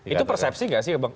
itu persepsi gak sih